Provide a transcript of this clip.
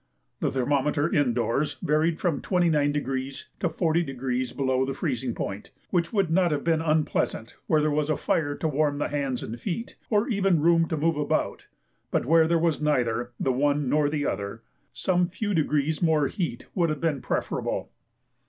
The thermometer indoors varied from 29° to 40° below the freezing point; which would not have been unpleasant where there was a fire to warm the hands and feet, or even room to move about; but where there was neither the one nor the other, some few degrees more heat would have been preferable.